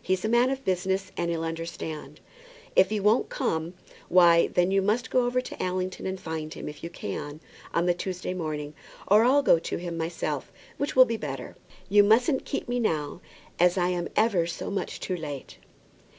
He's a man of business, and he'll understand. If he won't come, why then you must go over to Allington, and find him, if you can, on the Tuesday morning; or I'll go to him myself, which will be better. You mustn't keep me now, as I am ever so much too late."